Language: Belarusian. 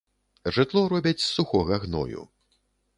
Жытло робяць з сухога гною.